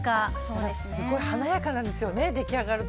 すごい華やかなんですよね出来上がると。